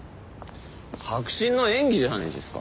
迫真の演技じゃないですか。